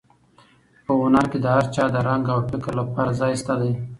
په هنر کې د هر چا د رنګ او فکر لپاره ځای شته دی.